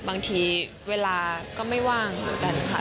บางทีเวลาก็ไม่ว่างเหมือนกันค่ะ